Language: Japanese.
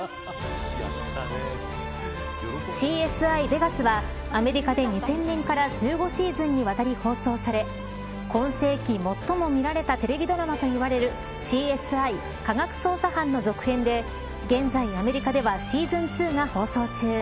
ＣＳＩ：ベガスはアメリカで２０００年から１５シーズンにわたり放送され今世紀最も見られたテレビドラマといわれるＣＳＩ：科学捜査班の続編で現在アメリカではシーズン２が放送中。